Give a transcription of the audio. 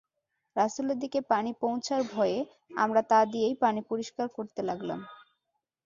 রাসূলের দিকে পানি পৌঁছার ভয়ে আমরা তা দিয়েই পানি পরিষ্কার করতে লাগলাম।